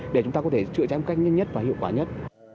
để chúng ta có thể chữa cháy một cách nhanh nhất và hiệu quả nhất